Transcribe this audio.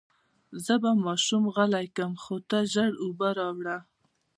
زه به ماشوم غلی کړم، خو ته ژر اوبه راوړه.